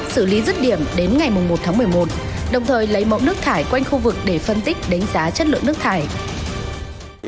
xử lý rứt điểm đến ngày một tháng một mươi một đồng thời lấy mẫu nước thải quanh khu vực để phân tích đánh giá chất lượng nước thải